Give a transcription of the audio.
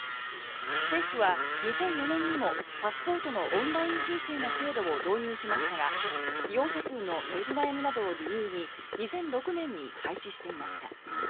政府は２００４年にもパスポートのオンライン申請の制度を導入しましたが利用者数の伸び悩みなどを理由に２００６年に廃止していました。